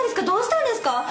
どうしたんですか！？